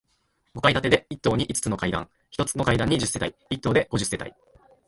五階建てで、一棟に五つの階段、一つの階段に十世帯、一棟で五十世帯。